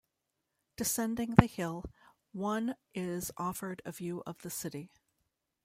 Descending the hill, one is offered a view of the city.